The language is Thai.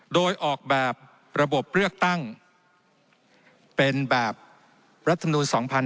โดยออกแบบระบบเลือกตั้งเป็นแบบรัฐมนูล๒๕๕๙